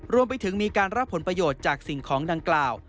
รวมไปถึงมีการรับผลประโยชน์จากสิ่งของดังกล่าว